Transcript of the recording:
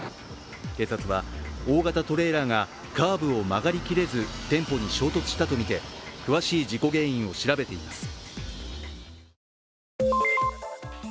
警察は大型トレーラーがカーブを曲がりきれず店舗に衝突したとみて、詳しい事故原因を調べています。